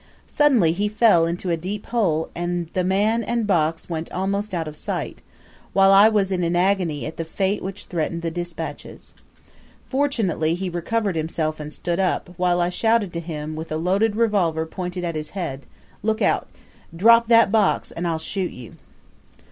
Suddenly he fell into a deep hole, and the man and box went almost out of sight, while I was in an agony at the fate which threatened the despatches. Fortunately, he recovered himself and stood up, while I shouted to him, with a loaded revolver pointed at his head, "Look out! Drop that bog, and I'll shoot you."